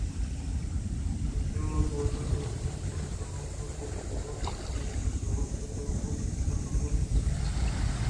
جند ءَ را پرٛاہ ءُ پتن کنان ءَ پدا درائینتمنا سِتک ءُ باور اِنت کہ کائیگر چد ءُ مَستر نہ اَتہمے گپّ آئی ءِ دپ ءَ اَت کہ آ ترٛکّ اِت ءُ مُرت